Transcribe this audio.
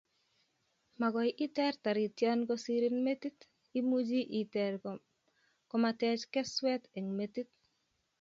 Mokoi iteer tarition kosirin metit, imuchi iteer komatech kesweet eng' metit